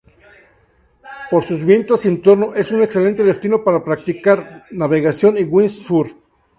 Por sus vientos y entorno es un excelente destino practicar navegación y windsurf.